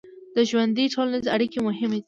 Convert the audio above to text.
د ژوند ټولنیزې اړیکې مهمې دي.